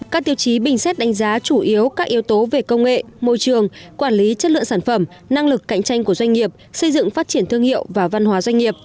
các tiêu chí bình xét đánh giá chủ yếu các yếu tố về công nghệ môi trường quản lý chất lượng sản phẩm năng lực cạnh tranh của doanh nghiệp xây dựng phát triển thương hiệu và văn hóa doanh nghiệp